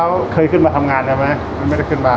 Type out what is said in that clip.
สวัสดีครับผมชื่อสามารถชานุบาลชื่อเล่นว่าขิงถ่ายหนังสุ่นแห่ง